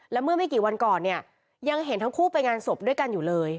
และเมื่อไม่กี่วันก่อนเนี่ยยังเห็นทั้งคู่ไปงานศพด้วยกันอยู่เลย